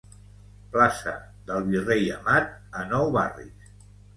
Plaça del Virrei Amat, a Nou Barris.